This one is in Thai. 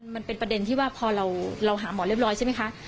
มันเป็นประเด็นที่ว่าพอเราหาหมอเรียบร้อยใช่ไหมคะ